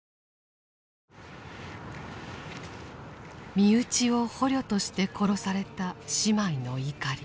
身内を捕虜として殺された姉妹の怒り。